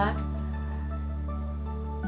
tidak ada yang melahirkan